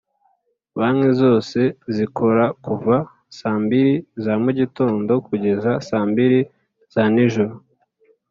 banki zose zikora kuva sambili za mugitondo kugeza sambili za ni njoro